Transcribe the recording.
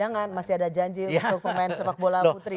jangan masih ada janji untuk pemain sepak bola putri